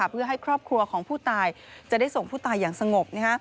เพื่อให้ครอบครัวของผู้ตายจะได้ส่งผู้ตายอย่างสงบ